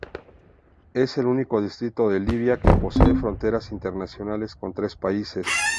Es el único distrito de Libia que posee fronteras internacionales con tres países.